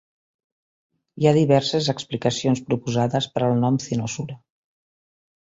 Hi ha diverses explicacions proposades per al nom "Cynosura".